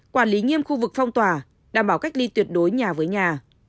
quản lý nghiêm khu vực phong tỏa đảm bảo cách ly tuyệt đối nhà với nhà